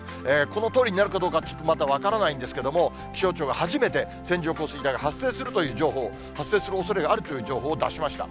このとおりになるかどうかは、ちょっとまだ分からないんですけれども、気象庁は初めて、線状降水帯が発生するという情報を、発生するおそれがあるという情報を出しました。